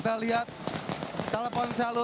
selamat tahun baru